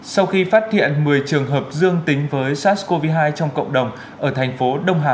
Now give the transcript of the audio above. sau khi phát hiện một mươi trường hợp dương tính với sars cov hai trong cộng đồng ở thành phố đông hà